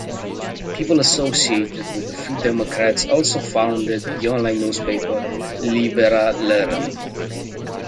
People associated with the Free Democrats also founded the online newspaper "Liberaleren".